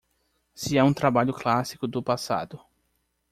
Se é um trabalho clássico do passado